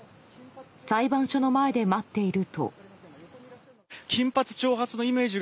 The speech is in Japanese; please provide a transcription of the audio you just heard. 裁判所の前で待っていると。